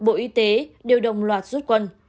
bộ y tế đều đồng loạt rút quân